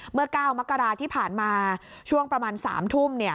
เมื่อ๙มกราที่ผ่านมาช่วงประมาณ๓ทุ่ม